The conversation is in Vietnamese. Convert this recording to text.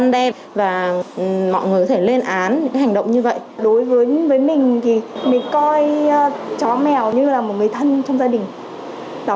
đối với mình thì mình coi chó mèo như là một người thân trong gia đình